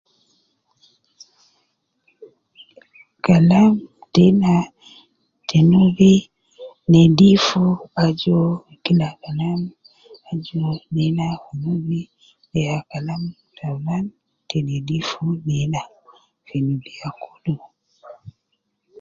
Kalam tena te nubi nedifu aju uwo kila kalam, aju uwo nena fi nubi ,de ya kalam taulan te nedifu, nena te nubiya kulu